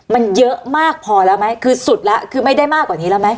มันเยอะมากพอแล้วไหมคือสุดแล้วคือไม่ได้มากกว่านี้แล้วไหม